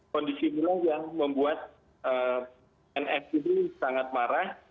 kondisi inilah yang membuat nf ini sangat marah